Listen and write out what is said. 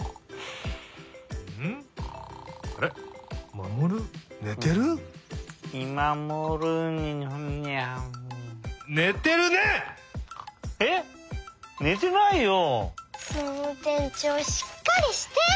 もうてんちょうしっかりして！